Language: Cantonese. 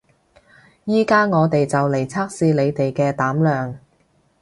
而家我哋就嚟測試你哋嘅膽量